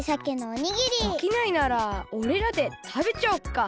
おきないならおれらでたべちゃおっか。